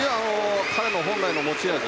彼の本来の持ち味